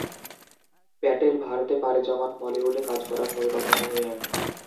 প্যাটেল ভারতে পাড়ি জমান বলিউডে কাজ করার পরিকল্পনা নিয়ে।